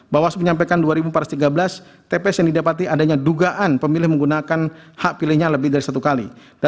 bawas menyampaikan dua ribu empat ratus tiga belas tps yang didapati adanya dugaan pemilih menggunakan hak pilihnya lebih dari satu kali